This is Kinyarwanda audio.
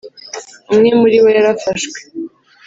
umwe muribo yarafashwe.